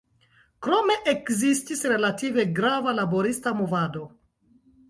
Krome, ekzistis relative grava laborista movado.